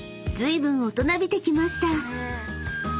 ずいぶん大人びてきました］